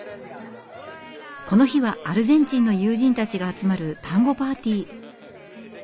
この日はアルゼンチンの友人たちが集まるタンゴパーティー。